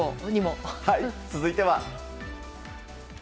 続いては。